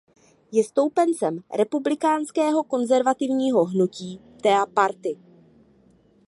Je stoupencem republikánského konzervativního hnutí Tea Party.